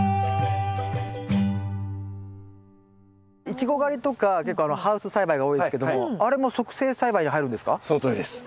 イチゴ狩りとか結構ハウス栽培が多いですけどもあれも促成栽培に入るんですか？